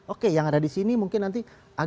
oke yang ada disini mungkin nanti